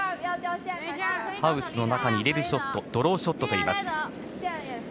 ハウスの中に入れるショットをドローショットといいます。